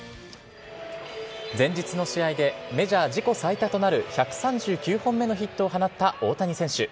前日の試合でメジャー自己最多となる１３９本目のヒットを放った大谷選手。